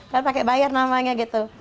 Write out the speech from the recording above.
kan pake bayar namanya gitu